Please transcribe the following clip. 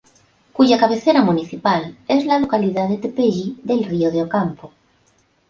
Cuya cabecera municipal es la localidad de Tepeji del Río de Ocampo.